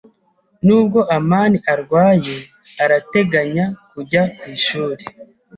[T] Nubwo amani arwaye, arateganya kujya ku ishuri.